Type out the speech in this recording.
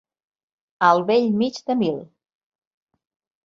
Al bell mig de mil.